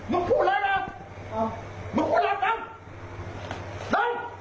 มึงมึงมึง